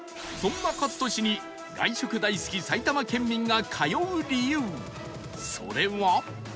そんなかつ敏に外食大好き埼玉県民が通う理由それは